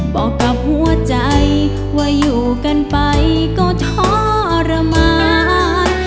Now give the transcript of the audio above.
บอกกับหัวใจว่าอยู่กันไปก็ทรมาน